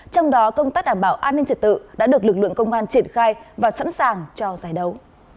trong đó công tác đảm bảo an ninh trật tự đã được lực lượng công an triển khai và sẵn sàng cho giải đấu